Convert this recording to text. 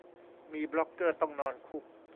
มีบล็อกเกอร์ต้องนอนคุก